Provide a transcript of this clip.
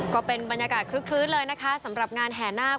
ก็เป็นบรรยากาศคลึกเลยนะคะสำหรับงานแห่นาค